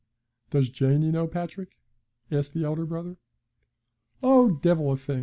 'Does Janie know, Patrick?' asked the elder brother. 'Oh, divil a thing!'